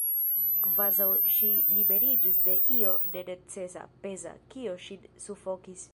Kvazaŭ ŝi liberiĝus de io nenecesa, peza, kio ŝin sufokis.